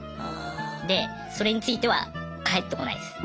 でそれについては返ってこないっす。